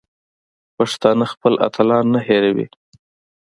پښتانه خپل اتلان نه هېروي.